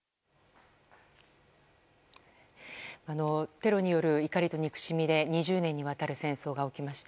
テロによる怒りと憎しみで２０年にわたる戦争が起きました。